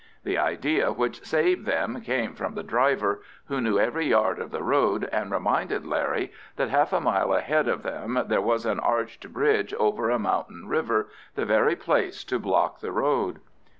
The idea which saved them came from the driver, who knew every yard of the road, and reminded Larry that half a mile ahead of them there was an arched bridge over a mountain river, the very place to block the road.